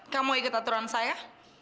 kamu ikut aturan saya